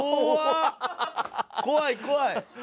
怖い怖い！